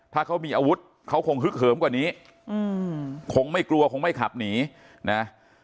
ถ้าเขามีอาวุธเขาคงฮึกเหิมกว่านี้คงไม่กลัวคงไม่ขับหนีนะ